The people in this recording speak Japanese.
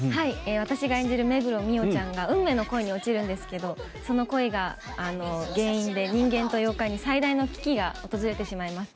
私が演じる目黒澪ちゃんが運命の恋に落ちるんですけどその恋が原因で人間と妖怪に最大の危機が訪れてしまいます。